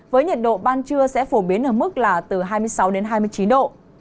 với nhiệt độ ban trưa sẽ phổ biến ở mức là từ hai mươi sáu đến hai mươi chín độ